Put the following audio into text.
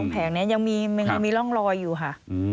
แผงนี้ยังมีร่องรอยอยู่ค่ะ